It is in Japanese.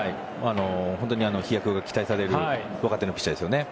本当に飛躍が期待される若手のピッチャーですね。